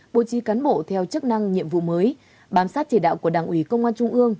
bố trí cán bộ theo chức năng nhiệm vụ mới bám sát chỉ đạo của đảng ủy công an trung ương